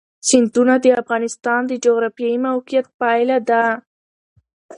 سیندونه د افغانستان د جغرافیایي موقیعت پایله ده.